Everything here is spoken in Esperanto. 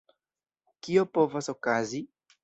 Kio povas okazi?